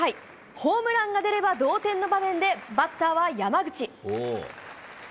ホームランが出れば同点の場面でバッターは山口。